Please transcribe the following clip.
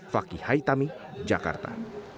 fakih haitami jakarta